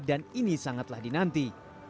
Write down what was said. dan ini sangatlah dinanti